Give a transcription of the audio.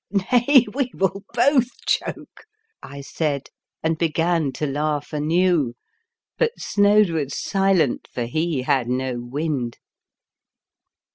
u Nay, we will both choke," I said, and began to laugh anew; but Snoad was silent for he had no wind.